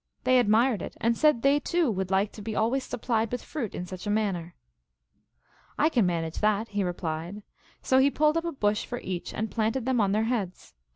They admired it, and said they, too, would like to be always supplied with fruit in such a man ner. " I can manage that," he replied. So he pulled up a bush for each, and planted them on their heads.